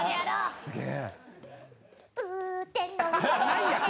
すげえ！